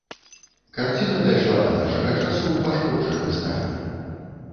Карціна дайшла да нашага часу ў пашкоджаным стане.